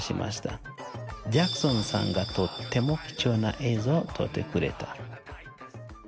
ジャクソンさんがとても貴重な映像を撮ってくれた。